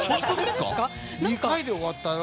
２回で終わったよ。